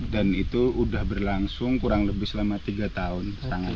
dan itu sudah berlangsung kurang lebih selama tiga tahun